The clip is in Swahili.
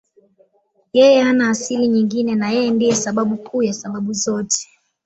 Yeye hana asili nyingine na Yeye ndiye sababu kuu ya sababu zote.